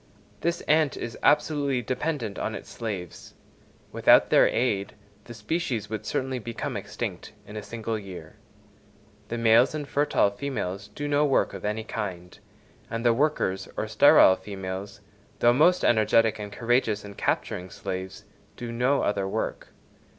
This ant is absolutely dependent on its slaves; without their aid, the species would certainly become extinct in a single year. The males and fertile females do no work of any kind, and the workers or sterile females, though most energetic and courageous in capturing slaves, do no other work.